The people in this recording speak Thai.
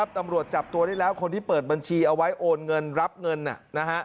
ตำรวจจับตัวได้แล้วคนที่เปิดบัญชีเอาไว้โอนเงินรับเงินนะฮะ